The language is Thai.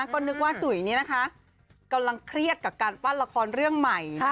ก็นึกว่าจุ๋ยนี้นะคะกำลังเครียดกับการปั้นละครเรื่องใหม่